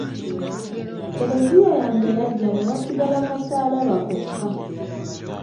Klezia yange yaggya ne wasigala kasalaaba kokka.